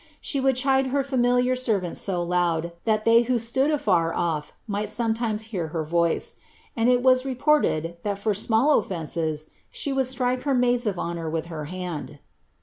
She would chide her ^miliar servants so loud, that they who stood afar off might sometimes hear her voice. And it was reported, that for small offences, she would strike her maids of honour with her hand."